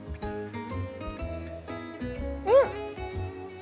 うん！